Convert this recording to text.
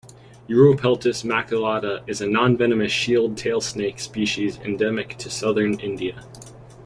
Uropeltis maculata is a nonvenomous shield tail snake species endemic to southern India.